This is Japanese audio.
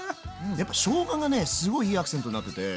やっぱしょうががねすごいいいアクセントになってて。